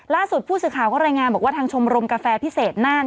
ผู้สื่อข่าวก็รายงานบอกว่าทางชมรมกาแฟพิเศษน่าน